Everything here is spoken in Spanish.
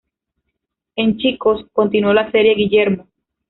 En "Chicos" continuó la serie "Guillermo".